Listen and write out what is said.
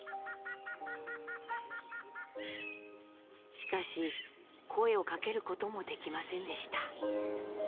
しかし声をかける事もできませんでした。